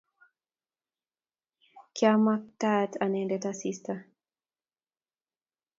kiamaktaat andee asista